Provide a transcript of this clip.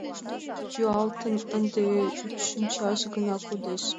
— Йӱалтын, ынде ӱпшынчаш гына кодеш...